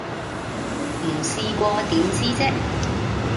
唔試過點知啫